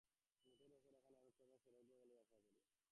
মোটের উপর এখানে আমি ক্রমে সেরে উঠব বলেই আশা করি।